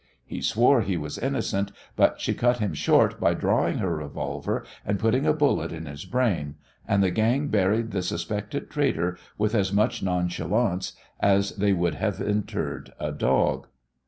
He swore he was innocent, but she cut him short by drawing her revolver and putting a bullet in his brain, and the gang buried the suspected traitor with as much nonchalance as they would have interred a dog.